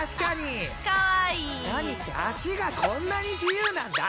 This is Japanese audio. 何って足がこんなに自由なんだ！